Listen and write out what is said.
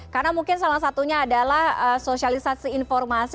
karena mungkin salah satunya adalah sosialisasi informasi